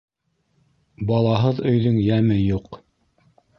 Балаһыҙ өйҙөң йәме юҡ.